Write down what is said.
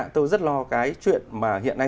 tôi rất lo cái chuyện mà hiện nay